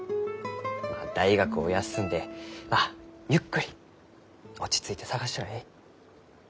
まあ大学を休んでまあゆっくり落ち着いて探したらえい。